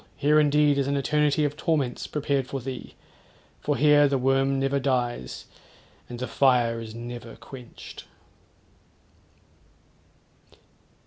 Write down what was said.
here indeed is an eternity of torments prepared for thee; for here the worm never dies, and the fire is never quenched.'